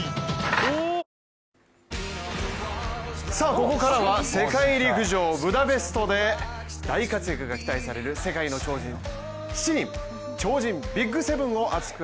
ここからは、世界陸上ブダペストで大活躍が期待される世界の超人７人、超人ＢＩＧ７を熱く！